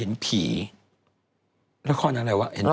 เล่นเรื่องแรกเรื่องแรกละครเห็นผี